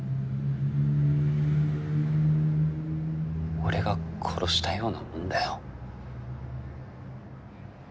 俺が殺したようなもんだよ。